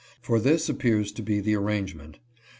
For this appears to be the arrangement.